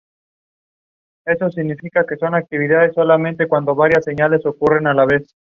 Fue dejado en libertad por ausencia de antecedentes y requerimientos pendientes.